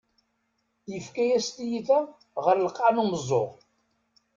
Yefka-yas tiyita ɣer lqaɛ n umeẓẓuɣ.